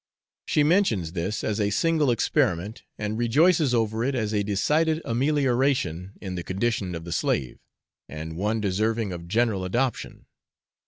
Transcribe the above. She mentions this as a single experiment, and rejoices over it as a decided amelioration in the condition of the slave, and one deserving of general adoption.